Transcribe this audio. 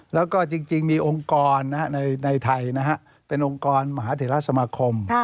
แล้วก็จริงมีองค์กรนะฮะในไทยนะฮะเป็นองค์กรมหาเทราสมคม